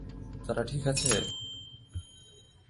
তারা ঠিক আছে?